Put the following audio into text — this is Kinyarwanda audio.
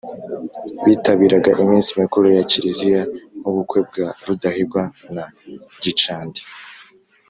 bitabiraga iminsi mikuru ya kiliziya nk'ubukwe bwa rudahigwa na gicanda